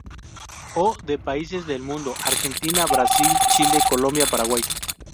O de países del mundo: Argentina, Brasil, Chile, Colombia, Paraguay.